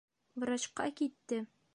Врачҡа китте.